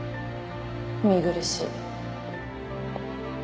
見苦しい。